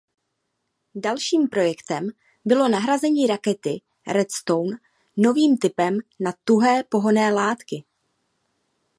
Dalším projektem bylo nahrazení rakety Redstone novým typem na tuhé pohonné látky.